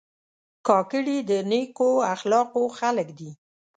کاکړي د نیکو اخلاقو خلک دي.